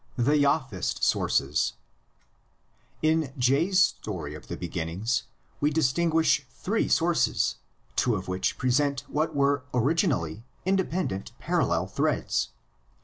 THE JAHVIST'S SOURCES. In J's story of the beginnings we distinguish three sources, two of which present what were originally independent parallel threads.